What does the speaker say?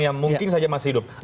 yang mungkin saja masih hidup